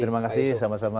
terima kasih sama sama